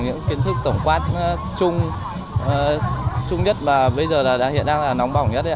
những kiến thức tổng quát chung nhất và bây giờ hiện đang là nóng bỏng nhất ấy ạ